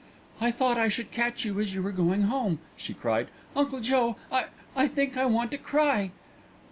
"I thought I should catch you as you were going home," she cried. "Uncle Joe, I I think I want to cry."